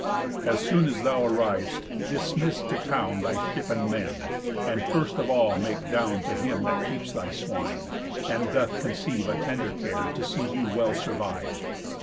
As soon as thou arriv'st, dismiss to town Thy ship and men, and first of all make down To him that keeps thy swine, and doth conceive A tender care to see thee well survive.